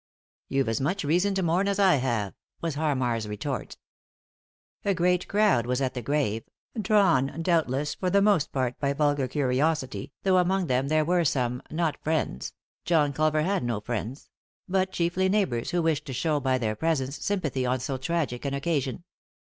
" You've as much reason to mourn as I have," was Harmar's retort. A great crowd was at the grave, drawn, doubtless, for the most part by vulgar curiosity, though among them were some, not friends — John Culver had no friends — but chiefly neighbours, who wished to show, by their presence, sympathy on so tragic an occasion.